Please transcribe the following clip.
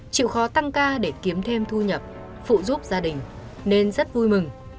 chịu khó tăng ca để kiếm thêm thu nhập phụ giúp gia đình nên rất vui mừng